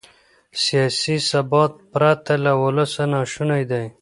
سیاسي ثبات پرته له ولسه ناشونی دی.